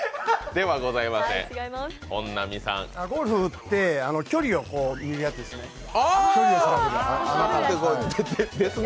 ゴルフ打って距離を見るやつですね。